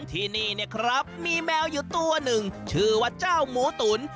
ที่นี่เนี่ยครับมีแมวอยู่ตัวหนึ่งชื่อว่าเจ้าหมูตุ๋น